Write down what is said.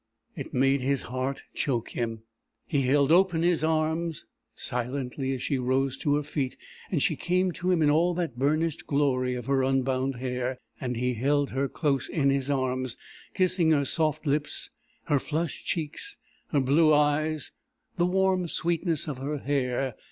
It made his heart choke him. He held open his arms, silently, as she rose to her feet, and she came to him in all that burnished glory of her unbound hair; and he held her close in his arms, kissing her soft lips, her flushed cheeks, her blue eyes, the warm sweetness of her hair.